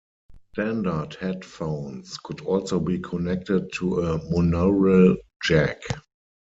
Standard headphones could also be connected to a monaural jack.